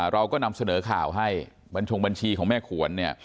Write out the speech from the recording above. เราก็นำเสนอข่าวให้บัญชงบัญชีของแม่ขวนเนี่ย